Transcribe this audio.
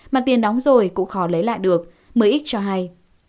mà tiền đóng rồi cũng khó lấy lại được mới ít cho hay